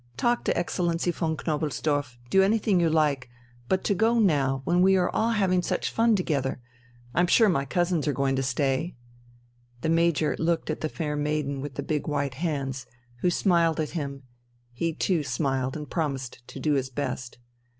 Talk to Excellency von Knobelsdorff, do anything you like but to go now, when we are all having such fun together! I'm sure my cousins are going to stay...." The Major looked at the fair maiden with the big white hands, who smiled at him; he too smiled and promised to do his best.